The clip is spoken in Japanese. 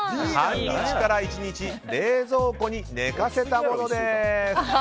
半日から１日冷蔵庫に寝かせたものです。